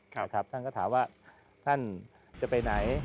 ท่านก็ถามว่าท่านจะไปไหน